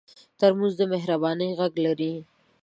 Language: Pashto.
ترموز د مهربانۍ غږ لري.